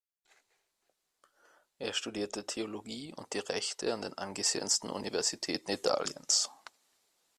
Er studierte Theologie und die Rechte an den angesehensten Universitäten Italiens.